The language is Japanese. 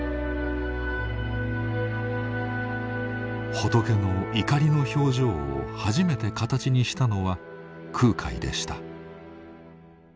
仏の怒りの表情を初めて形にしたのは空海でした。